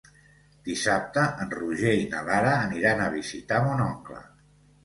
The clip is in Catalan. Dissabte en Roger i na Lara aniran a visitar mon oncle.